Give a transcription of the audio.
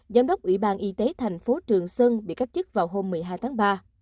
giám đốc ủy ban y tế thành phố trường sơn bị cách chức vào hôm một mươi hai tháng ba